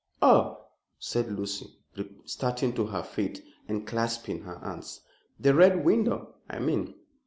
"Oh!" said Lucy, starting to her feet and clasping her hands, "the Red Window, I mean."